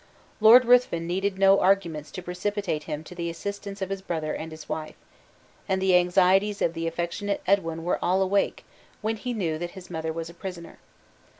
Lord Ruthven needed no arguments to precipitate him to the assistance of his brother and his wife; and the anxieties of the affectionate Edwin were all awake when he knew that his mother was a prisoner.